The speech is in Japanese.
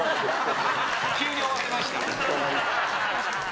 急に終わりました。